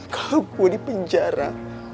kalau gue di penjara